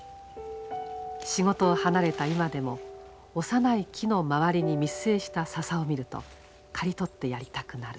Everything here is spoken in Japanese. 仕事を離れた今でも幼い木の周りに密生した笹を見ると刈り取ってやりたくなる。